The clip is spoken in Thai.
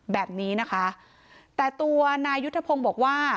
แบบนี้นะคะแต่ตัวนายุทธพงศ์บอกว่า